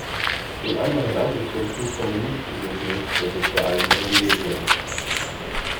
Die anderen Angestellten kommen nicht in den Genuss der sozialen Privilegien.